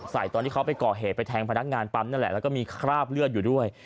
ตอนที่เขาไปก่อเหตุไปแทงพนักงานปั๊มนั่นแหละแล้วก็มีคราบเลือดอยู่ด้วย